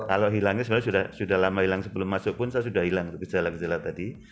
kalau hilangnya sebenarnya sudah lama hilang sebelum masuk pun saya sudah hilang gejala gejala tadi